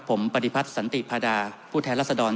ผมปราธิพัตติศัลติพาดาผู้แท้ราศดร